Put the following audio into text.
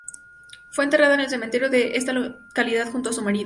Fue enterrada en el cementerio de esa localidad junto a su marido.